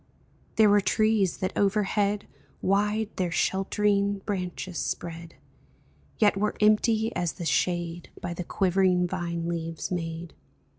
There were trees that overhead Wide their sheltering branches spread, Yet were empty as the shade By the quivering vine leaves made.